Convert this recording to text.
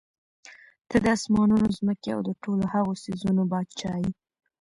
ته د آسمانونو، ځمکي او د ټولو هغو څيزونو باچا ئي